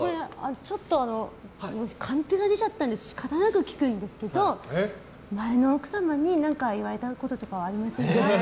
ちょっと私カンペが出ちゃったので仕方なく聞くんですけど前の奥様に何か言われたこととかはありますか？